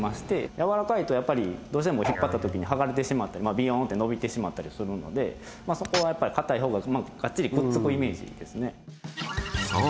柔らかいとやっぱりどうしても引っ張ったときに剥がれてしまってビヨーンって伸びてしまったりするのでそこはやっぱり硬いほうががっちりくっつくイメージですねそう！